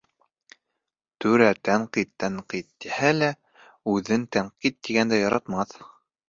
Түрә «тәнҡит», «тәнҡит» тиһә лә, үҙен тәнҡит иткәнде яратмаҫ.